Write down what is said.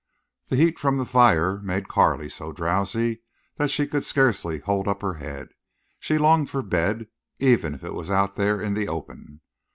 The heat from the fire made Carley so drowsy that she could scarcely hold up her head. She longed for bed even if it was out there in the open.